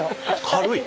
軽い？